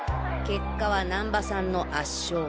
結果は難波さんの圧勝。